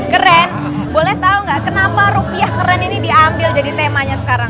keren boleh tahu nggak kenapa rupiah keren ini diambil jadi temanya sekarang